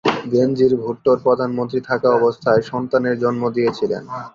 বেনজির ভুট্টোর প্রধানমন্ত্রী থাকা অবস্থায় সন্তানের জন্ম দিয়েছিলেন।